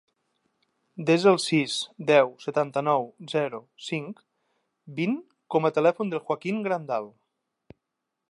Desa el sis, deu, setanta-nou, zero, cinc, vint com a telèfon del Joaquín Grandal.